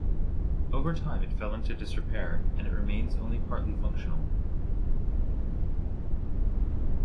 Over time it fell into disrepair, and it remains only partly functional.